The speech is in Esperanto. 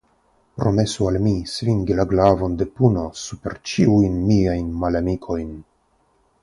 Promesu al mi svingi la glavon de puno super ĉiujn miajn malamikojn.